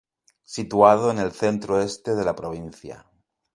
Situado en el centro-este de la provincia.